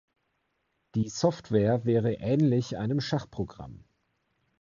Die Software währe ähnlich einem Schachprogramm.